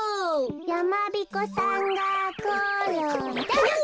やまびこさんがころんだ！